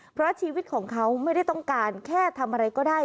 เพราะชีวิตของเขาไม่ได้ต้องการแค่ทำอะไรก็ได้